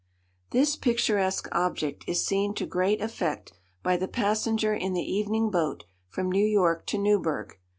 This picturesque object is seen to great effect by the passenger in the evening boat from New York to Newburgh.